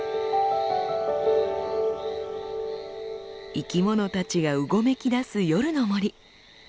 生きものたちがうごめきだす夜の森。